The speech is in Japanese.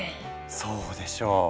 そうでしょう！